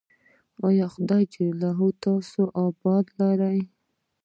ایا خدای دې تاسو اباد لري؟